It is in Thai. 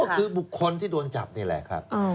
ก็คือบุคคลที่โดนจับนี่แหละครับ